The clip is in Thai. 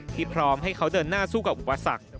พร้อมให้เขาเดินหน้าสู้กับอุปสรรค